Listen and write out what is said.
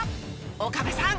岡部さん